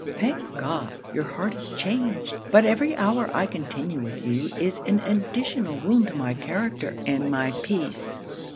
Thank God, your heart is changed! but every hour I continue with you, is an additional wound to my character and my peace.'